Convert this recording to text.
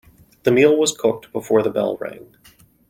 The meal was cooked before the bell rang.